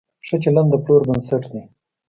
ښه چلند د پلور بنسټ دی.